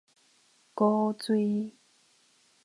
古錐